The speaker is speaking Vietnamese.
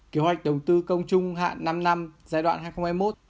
kế hoạch đầu tư công trung hạn năm năm giai đoạn hai nghìn hai mươi một hai nghìn hai mươi một